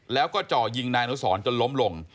แล้วก็จ่อยิงนายหนูซ้อนจนล้มหลง